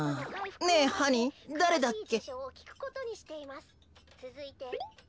ねえハニーだれだっけ？